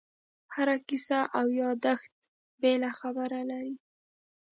هره کیسه او یادښت یې بله خبره لري.